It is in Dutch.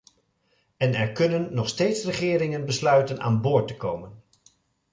En er kunnen nog steeds regeringen besluiten aan boord te komen.